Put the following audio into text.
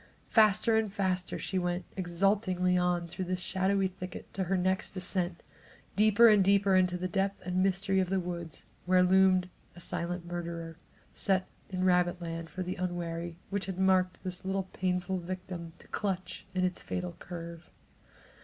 Faster and faster she went exultingly on through this shadowy thicket to the next descent, and deeper and deeper into the depth and mystery of the woods, where loomed a silent murderer, set in rabbit land for the unwary, which had marked this little pitiful victim to clutch in its fatal curve.